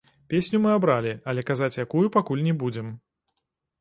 Песню мы абралі, але казаць якую пакуль не будзем.